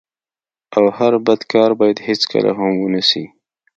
او هر بد کار بايد هيڅکله هم و نه سي.